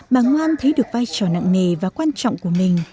bà ngoan thấy được vai trò nặng nề và quan trọng của mình